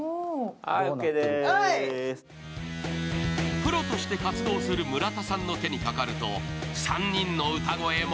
プロとして活動する村田さんの手にかかると３人の歌声も